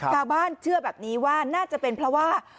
ชาวบ้านเชื่อแบบนี้ว่าน่าจะเป็นเพราะว่า